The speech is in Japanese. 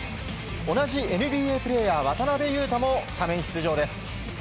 同じＮＢＡプレーヤー渡邊雄太もスタメン出場です。